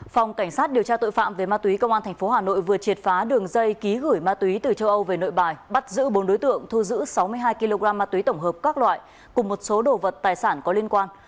phòng cảnh sát điều tra tội phạm về ma túy công an tp hà nội vừa triệt phá đường dây ký gửi ma túy từ châu âu về nội bài bắt giữ bốn đối tượng thu giữ sáu mươi hai kg ma túy tổng hợp các loại cùng một số đồ vật tài sản có liên quan